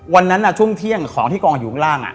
วันนั้นช่วงเที่ยงของที่กองอยู่ข้างล่าง